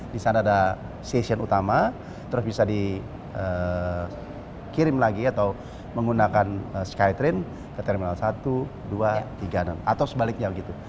di sana ada stasiun utama terus bisa dikirim lagi atau menggunakan skytrain ke terminal satu dua tiga puluh enam atau sebaliknya begitu